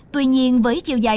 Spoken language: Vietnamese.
tuy nhiên với chiều dài